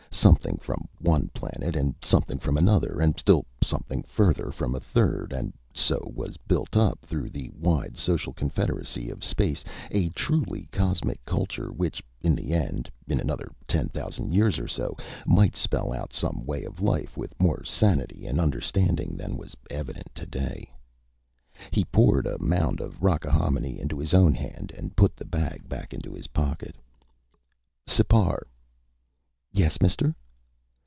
Something from one planet and something from another and still something further from a third and so was built up through the wide social confederacy of space a truly cosmic culture which in the end, in another ten thousand years or so, might spell out some way of life with more sanity and understanding than was evident today. He poured a mound of rockahominy into his own hand and put the bag back into his pocket. "Sipar." "Yes, mister?"